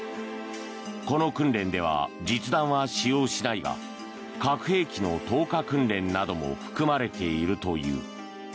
この訓練では実弾は使用しないが核兵器の投下訓練なども含まれているという。